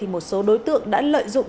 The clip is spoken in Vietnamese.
một số đối tượng đã lợi dụng